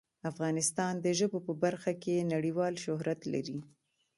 افغانستان د ژبو په برخه کې نړیوال شهرت لري.